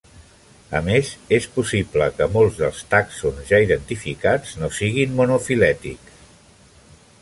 A més, és possible que molts dels tàxons ja identificats no siguin monofilètics.